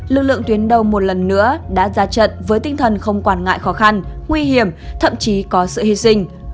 lực lượng tuyến đầu một lần nữa đã ra trận với tinh thần không quản ngại khó khăn nguy hiểm thậm chí có sự hy sinh